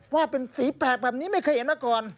ว่าเป็นสีแปลกแบบนี้ไม่เคยเห็นมาก่อน